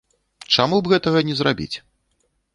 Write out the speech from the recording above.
Чаму б гэтага не зрабіць?